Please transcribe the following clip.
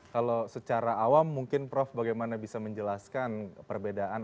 kalau secara awam mungkin prof bagaimana bisa menjelaskan perbedaan